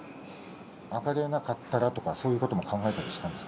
上がれなかったらとかそういうことを考えたりしたんですか？